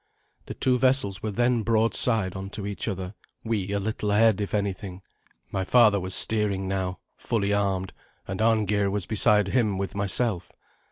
The two vessels were then broadside on to each other, we a little ahead, if anything. My father was steering now, fully armed, and Arngeir was beside him with myself.